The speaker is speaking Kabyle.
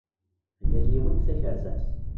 Yal yiwen takerza-s.